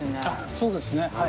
そうですねはい。